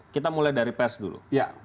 kita mulai dari pers dulu